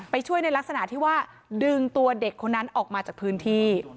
ช่วยในลักษณะที่ว่าดึงตัวเด็กคนนั้นออกมาจากพื้นที่